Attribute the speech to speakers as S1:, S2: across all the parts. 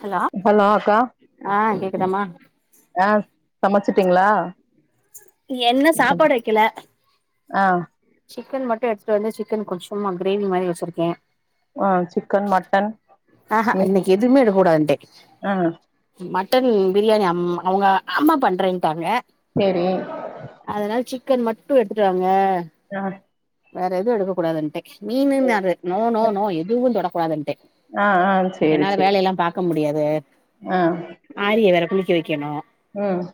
S1: hello ஆ கேக்குதாமா
S2: ஆ சமச்சிட்டீங்களா
S1: என்ன சாப்பாடு வெக்கில
S2: ஆ
S1: சிக்கன் மட்டு எடுத்துட்டு வந்து சிக்கன் கொஞ்சமா கிரேவி மாரி வச்சிருக்கே
S2: ஆ சிக்கன் மட்டன்
S1: ஆ ஹ
S2: மீன்
S1: இன்னைக்கு எதுவுமே எடுக்க கூடாதுண்டே
S2: ஆ
S1: மட் டன் பிரியாணி அம் அவங்க அம்மா பண்றேன்ட்டாங்க
S2: செரி
S1: க்கன் மட்டு எடுத்துட்டு வாங்க
S2: அ
S1: வேற எது எடுக்க கூடாதுன்ட்டே மீனுன்னாறு நோ நோ நோ எதுவு தொட கூடாதுன்னுட்டே
S2: ஆஹ் ஆஹ் சேரி சேரி
S1: க முடியாது
S2: ஆ
S1: ஆரிய வேற குளிக்க வெக்கணு
S2: ம்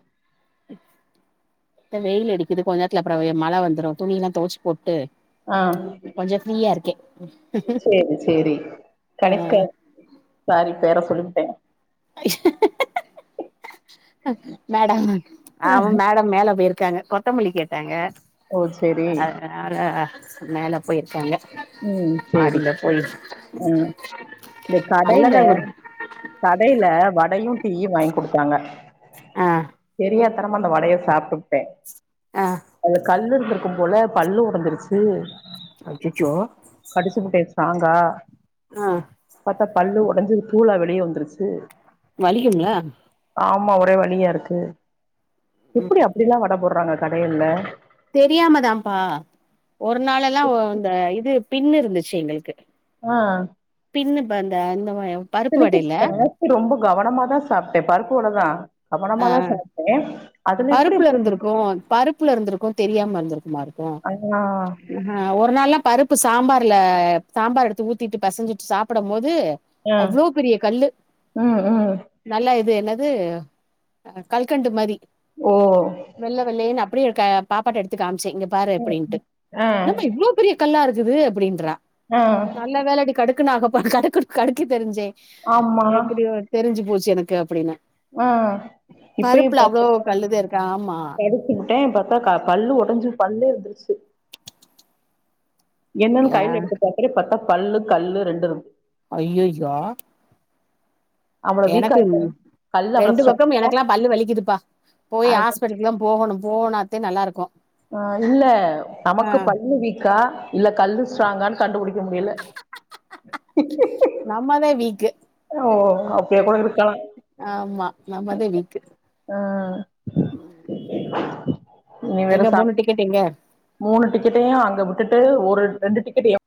S1: இப்ப வெயில் அடிக்குது கொஞ்ச நேர்த்துல அப்பற மழ வந்துரு துணியெல்லா தொவைச்சு போட் டு
S2: ஆ
S1: கொஞ்ச ஃபிரீயா இருக்கே
S2: சேரி சேரி
S1: ஆ
S2: கனிஷ்கா சாரி பேர சொல்லி ட்டே
S1: அ மேடம் அவ மேட மேல போயி இரு க்காங்க கொத்தமல்லி கேட்டாங்க
S2: ஓ சேரி
S1: [unintelligible] மேல போயிருக்காங்க
S2: உம் சேரி
S1: மாடில போய்
S2: ஆ இந்த கடையில
S1: நல்லதா ஒரு
S2: கடையில வடையு டீயு வாங்கி குடுத்தாங்க
S1: ஆஹ்
S2: தரமா அந்த வடைய சாப்ட்புட்டே
S1: ஆ
S2: அதுல கல்லு இருக்கு போல பல்லு உடஞ்சிருச்சு
S1: அச்சச்சோ
S2: தாங்கா
S1: ஆ
S2: பாத்தா பல்லு ஒடஞ்சு தூளா வி அப்டியே வந்துருச்சு
S1: வலிக்குங்ளா
S2: ஆமா ஒரே வலியா இருக்கு எப்டி அப்டிலா வட போடறாங்க கடையில்ல
S1: தெரியாமதாம்ப்பா ஒரு நாளெலா அந்த இது பின் இருந்துச்சு எங்களுக்கு
S2: ஆ
S1: பின்னு ப்ப அந்த அந்த
S2: எனக்கு சார்ஜ் ரொம்ப கவனமாதா சாப்ட்டே பருப்பு வடதா
S1: ஆ
S2: கவனமாதா சாப்ட்டே அதுல எப்டி
S1: பருப்புல
S2: இப்டி
S1: இருந்துருக்கு பருப்புல இருந்துருக்கு தெரியாம இருந்திருக்குமா இருக்கு
S2: ஆ
S1: அ ஒரு நாள்னா பருப்பு சாம்பார் ல சாம்பார் எடுத்து ஊத்திட்டு பெசஞ்சிட்டு சாப்படம் போது
S2: ஆ
S1: அவ்ளோ பெரிய கல்லு
S2: ம் ம்
S1: நல்லா இது எல்ல து கல்கண்டு மாரி
S2: ஓ
S1: வெள்ள வெள்ளயேனு அப் அப்டியே இருக்க பாப்பாட்ட எடுத்து காம் ச்ச இங்க பாரு அப்டின்ட்டு
S2: ஆ
S1: என்னம்மா இவ்ளோ பெரிய கல்லா இருக்குது அப்படின்றா
S2: ஆ
S1: நல்ல வேளடி கடு க்கு நா அப்ப கடுக் கடுக்க தெரிஞ்சே
S2: ஆமா
S1: எப்டியோ தெரிஞ்சு போச் சு எனக்கு அப்டின்ன
S2: ஆ இப்பயு பாத் [inaudible]
S1: கல்லுதா இருக்கு ஆமா
S2: கடிச்சு புட்டே பாத்தா க பல்லு ஒடஞ்சு பல்லே வந்துருச் சு என்னன்
S1: ஆ
S2: கைல எடுத்து பாக்குறே பத்தா பல்லு கல்லு ரெண்டு இருந்து
S1: ஐய்யயோ
S2: அவள வீக்கா
S1: எனக்கு
S2: இருக்க கல்லு அவள
S1: ரெண்டு பக்கமு
S2: ஸ்ட்ராங்கா
S1: எனக்கெலா பல்லு வலிக்குதுப்பா போய்
S2: அது
S1: ஹாஸ்பிட்டலுக்லா போகணு போனாத்தே நல்லாருக்கு
S2: ஆ இல்ல நமக்கு பல்லு வீக்கா இல்ல கல்லு ஸ்ட்ராங்கான் கண்டுபுடி
S1: நம்மதே வீக்கு
S2: ஓ அப்டியா கூட இருக்கலா
S1: ஆமா நம்மதா வீக்கு
S2: ஆ நீ
S1: எங்க மூணு டிக்கெட் எங்க
S2: க்கெட்டையு அங்க விட்டுட்டு ஒரு ரெண்டு டிக்கெட்